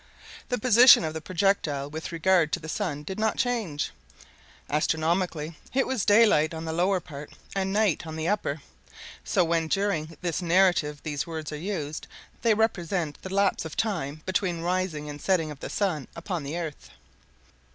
The position of the projectile with regard to the sun did not change. Astronomically, it was daylight on the lower part, and night on the upper; so when during this narrative these words are used, they represent the lapse of time between rising and setting of the sun upon the earth.